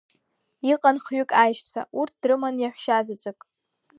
Иҟан хҩык аишьцәа, урҭ дрыман иаҳәшьа зацәык.